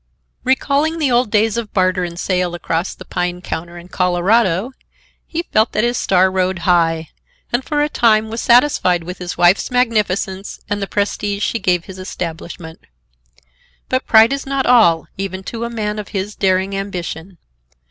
Recalling the old days of barter and sale across the pine counter in Colorado, he felt that his star rode high, and for a time was satisfied with his wife's magnificence and the prestige she gave his establishment. But pride is not all, even to a man of his daring ambition.